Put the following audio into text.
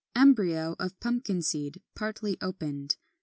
26. Embryo of Pumpkin seed, partly opened.